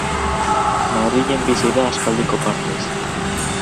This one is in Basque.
Madrilen bizi da aspaldiko partez.